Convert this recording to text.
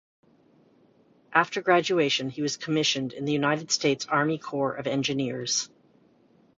After graduation he was commissioned in the United States Army Corps of Engineers.